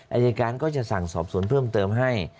อายการก็จะสั่งสอบสวนเพิ่มเติมให้